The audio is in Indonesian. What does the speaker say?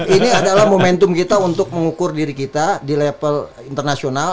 ini adalah momentum kita untuk mengukur diri kita di level internasional